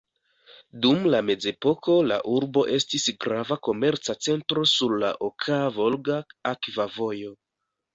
Dum la mezepoko la urbo estis grava komerca centro sur la Okaa-Volga akva vojo.